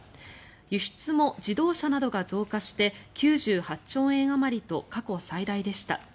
輸出も自動車などが増加して９８兆円あまりと過去最大でした。